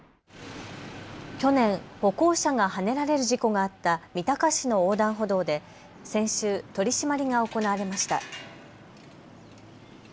去年、歩行者がはねられる事故があった三鷹市の横断歩道で先週取締りが行われました。